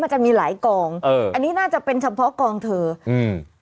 มันจะมีหลายกองเอออันนี้น่าจะเป็นเฉพาะกองเธออืม